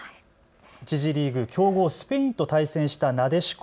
１次リーグ強豪、スペインと対戦したなでしこ。